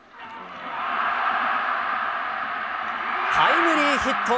タイムリーヒット。